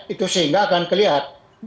itu sehingga akan kelihatan